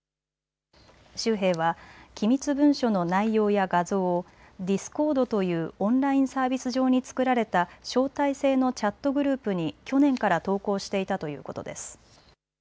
州兵は機密文書の内容や画像をディスコードというオンライン・サービス上に作られた招待制のチャット・グループに去年から投稿していたということです。